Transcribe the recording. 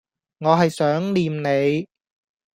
我係想念你